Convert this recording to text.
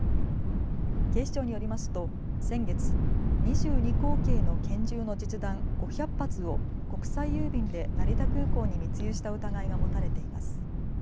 警視庁によりますと先月、２２口径の拳銃の実弾５００発を国際郵便で成田空港に密輸した疑いが持たれています。